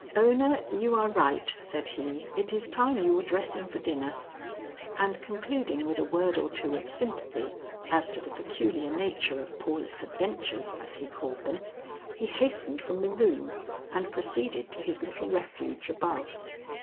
"Ona, you are right," said he, "it is time you were dressing for dinner." And concluding with a word or two of sympathy as to the peculiar nature of Paula's adventures as he called them, he hastened from the room and proceeded to his little refuge above.